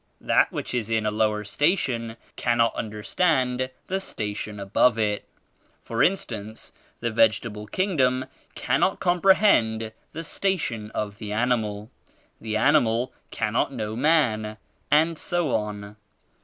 That which is in a lower station cannot understand the station above it. For instance the vegetable kingdom cannot comprehend the station of the animal; the animal cannot know man and so on.